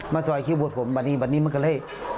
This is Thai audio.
มาซอยคิวบูธผมวันนี้มันก็เลย